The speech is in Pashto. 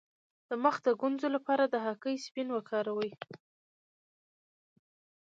د مخ د ګونځو لپاره د هګۍ سپین وکاروئ